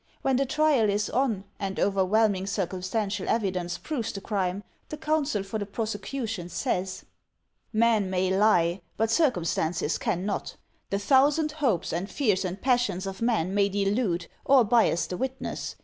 When the trial is on, and overwhelming circumstantial evidence proves the crime, the counsel for the prosecution says: "Men may lie, but circumstances cannot. The thousand hopes and fears and passions of men may delude, or bias the witness.